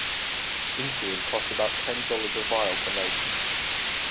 Insulin costs about ten dollars a vial to make.